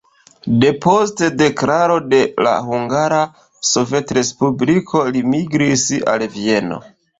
Depost deklaro de la Hungara Sovetrespubliko li migris al Vieno.